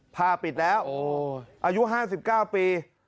ผ้าปิดแล้วอายุ๕๙ปี